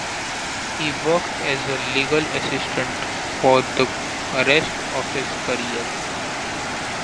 He worked as a legal assistant for the rest of his career.